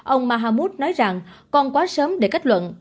ông mahammut nói rằng còn quá sớm để kết luận